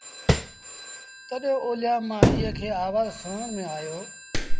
تڏهيݩ اوليآ مآݩ ايٚئي کي آوآز سُڻڻ ميݩ آيو